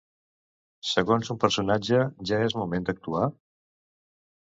Segons un personatge, ja és moment d'actuar?